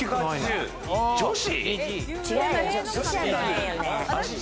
女子？